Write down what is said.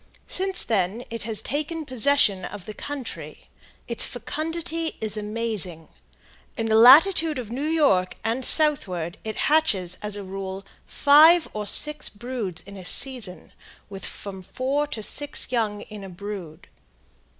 Since then it has taken possession of the country. Its fecundity is amazing. In the latitude of New York and southward it hatches, as a rule, five or six broods in a season, with from four to six young in a brood.